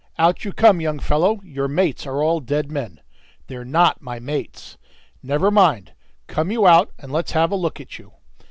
"Out you come, young fellow! Your mates are all dead men." "They're not my mates." "Never mind; come you out and let's have a look at you."